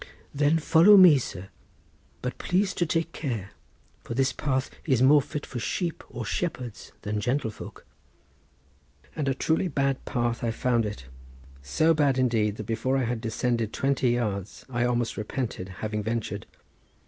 "Then follow me, sir; but please to take care, for this path is more fit for sheep or shepherds than gentlefolk." And a truly bad path I found it; so bad indeed that before I had descended twenty yards I almost repented having ventured.